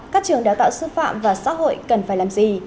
các trường đào tạo sư phạm và xã hội cần phải làm gì